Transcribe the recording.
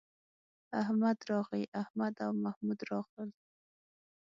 احمد راغی، احمد او محمود راغلل